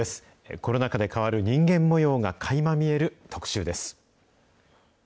コロナ禍で変わる人間もようがかいま見える特集です。